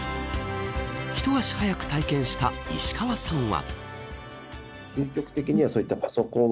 一足早く体験した石川さんは。